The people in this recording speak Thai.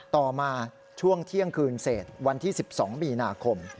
ต่อมาช่วงเที่ยงคืนเศษวันที่๑๒มีนาคม